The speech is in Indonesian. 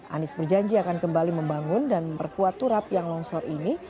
anies berjanji akan kembali membangun dan memperkuat turap yang longsor ini